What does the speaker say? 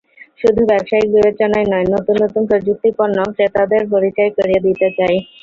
শুধু ব্যবসায়িক বিবেচনায় নয়, নতুন নতুন প্রযুক্তিপণ্যও ক্রেতাদের পরিচয় করিয়ে দিতে চাই।